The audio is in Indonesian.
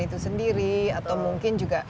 itu sendiri atau mungkin juga